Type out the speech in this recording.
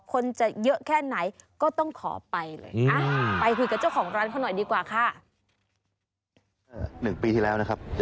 คนจะเยอะแค่ไหนก็ต้องขอไปเลย